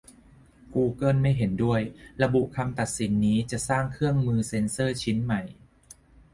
กูเกิลไม่เห็นด้วย ระบุคำตัดสินนี้จะสร้างเครื่องมือเซ็นเซอร์ชิ้นใหม่